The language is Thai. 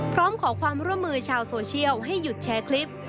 พร้อมขอความร่วมมือชาวโซเชียลให้หยุดแชร์คลิป